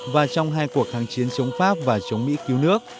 và trong hai cuộc kháng chiến chống pháp và chống mỹ cứu nước